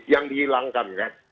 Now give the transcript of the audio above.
yang dihilangkan kan